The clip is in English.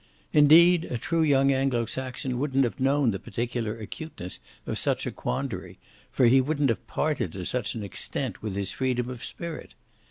Indeed a true young Anglo Saxon wouldn't have known the particular acuteness of such a quandary, for he wouldn't have parted to such an extent with his freedom of spirit.